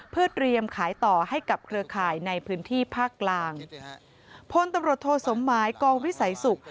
เพื่อเตรียมขายต่อให้กับเครือข่ายในพื้นที่ภาคกลางพลตำรวจโทสมหมายกองวิสัยศุกร์